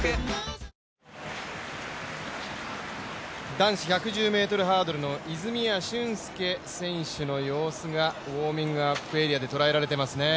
男子１１０ｍハードルの泉谷駿介選手の様子がウォームアップエリアで捉えられてますね。